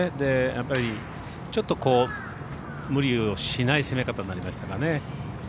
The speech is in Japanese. やっぱりちょっと無理をしない攻め方になりましたかね。